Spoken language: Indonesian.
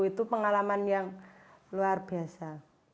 itu pengalaman yang luar biasa